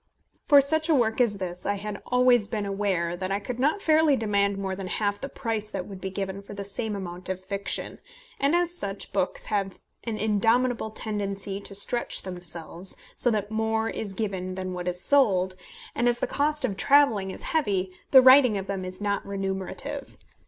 For such a work as this I had always been aware that I could not fairly demand more than half the price that would be given for the same amount of fiction; and as such books have an indomitable tendency to stretch themselves, so that more is given than what is sold, and as the cost of travelling is heavy, the writing of them is not remunerative.